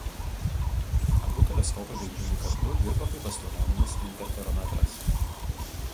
Abu teleskopai veikdami kartu dirba kaip astronominis interferometras.